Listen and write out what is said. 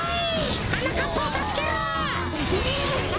はなかっぱをたすけろ！